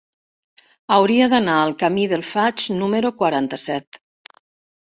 Hauria d'anar al camí del Faig número quaranta-set.